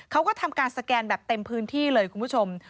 เขาก็ทำการสแกนแบบเต็มพื้นที่เลยคุณผู้ชม